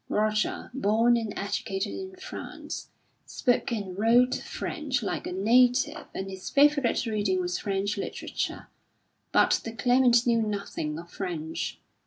Roger, born and educated in France, spoke and wrote French like a native and his favourite reading was French literature; but the Claimant knew nothing of French.